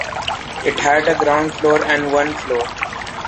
It had a ground floor and one floor.